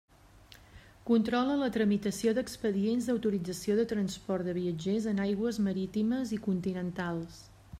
Controla la tramitació d'expedients d'autorització de transport de viatgers en aigües marítimes i continentals.